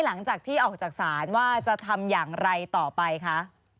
หลังจากที่ออกจากศาลว่าจะทำอย่างไรต่อไปคะ